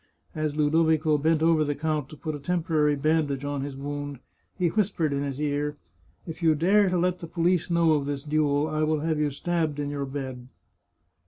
As Ludovico bent over the count to put a temporary bandage on his wound, he whispered in his ear, " If you dare to let the police know of this duel, I will have you stabbed in your bed."